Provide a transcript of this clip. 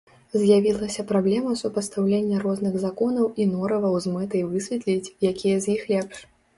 З'явілася праблема супастаўлення розных законаў і нораваў з мэтай высветліць, якія з іх лепш.